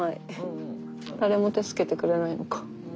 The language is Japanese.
誰も助けてくれないのか。